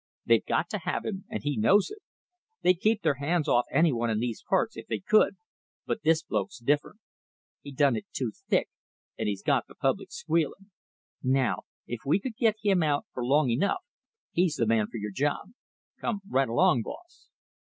"They've got to have him, and he knows it. They'd keep their hands off any one in these parts if they could, but this bloke's different. He done it too thick, and he's got the public squealing. Now if we could get him out for long enough, he's the man for your job. Come right along, boss."